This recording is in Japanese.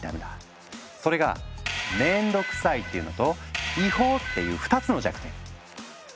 それが「面倒くさい」っていうのと「違法」っていう２つの弱点。